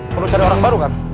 perlu cari orang baru kak